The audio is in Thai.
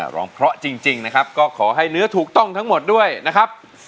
ร้องเพราะจริงนะครับก็ขอให้เนื้อถูกต้องทั้งหมดด้วยนะครับ